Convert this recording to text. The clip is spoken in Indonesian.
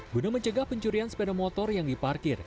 guna mencegah pencurian sepeda motor yang diparkir